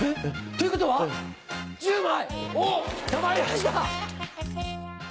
ということは１０枚！